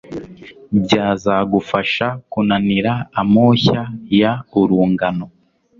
byazagufasha kunanira amoshya y urungano